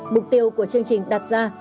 mục tiêu của chương trình đặt ra